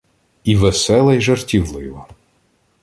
І весела, й жартівлива